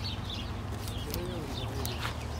Tessegra-yawen-d aɣilif.